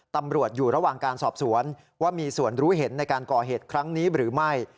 ตำรวจอยู่ระหว่างการสอบสวนว่ามีส่วนรู้เห็นในการก่อเหตุครั้งนี้หรือไม่